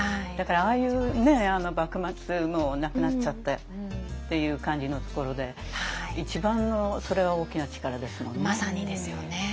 だからああいう幕末もうなくなっちゃってっていう感じのところで一番のそれが大きな力ですもんね。